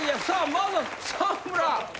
まずは沢村。